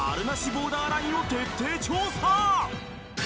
ボーダーラインを徹底調査！